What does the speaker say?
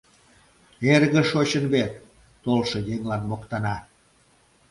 — Эрге шочын вет! — толшо еҥлан моктана.